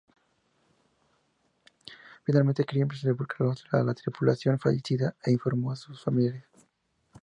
Finalmente la "Kriegsmarine" declaró a la tripulación fallecida e informó a sus familiares.